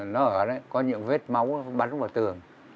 nó ở đấy có những vết máu bắn trúng vào tường